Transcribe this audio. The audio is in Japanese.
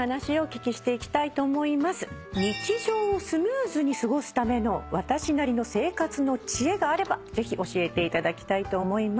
日常をスムーズに過ごすための私なりの生活の知恵があればぜひ教えていただきたいと思います。